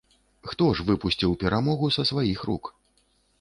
Хто ж выпусціў перамогу са сваіх рук?